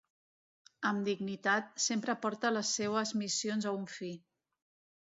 Amb dignitat, sempre porta les seues missions a un fi.